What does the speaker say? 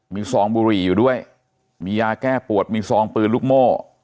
มีซองบุหรี่อยู่ด้วยมียาแก้ปวดมีซองปืนลูกโม่